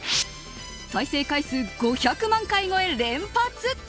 再生回数５００万回超え連発！